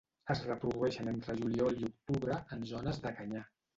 Es reprodueixen entre juliol i octubre, en zones de canyar.